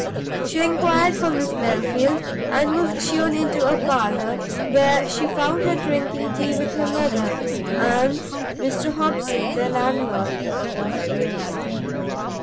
She enquired for Miss Belfield, and was shewn into a parlour, where she found her drinking tea with her mother, and Mr Hobson, their landlord.